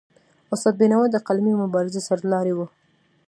استاد بینوا د قلمي مبارزې سرلاری و.